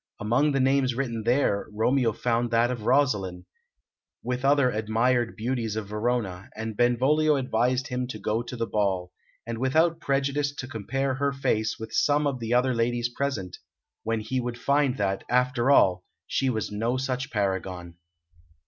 Among the names written there, Romeo found that of Rosaline, with other admired beauties of Verona, and Benvolio advised him to go to the ball, and without prejudice to compare her face with some of the other ladies present, when he would find that, after all, she was no such paragon.